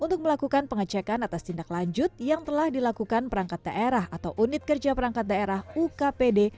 untuk melakukan pengecekan atas tindak lanjut yang telah dilakukan perangkat daerah atau unit kerja perangkat daerah ukpd